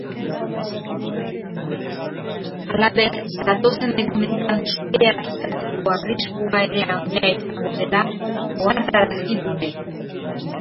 Halaber, datozen egunetan suteak izateko arriskua ere handia izango dela ohartarazi dute.